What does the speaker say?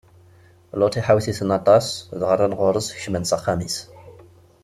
Luṭ iḥawet-iten aṭas, dɣa rran ɣur-s, kecmen s axxam-is.